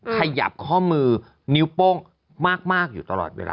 ขยับข้อมือนิ้วโป้งมากอยู่ตลอดเวลา